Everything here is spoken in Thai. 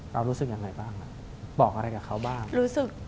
เรารู้สึกยังไงบ้างบอกอะไรกับเขาบ้าง